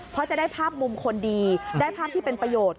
เพราะจะได้ภาพมุมคนดีได้ภาพที่เป็นประโยชน์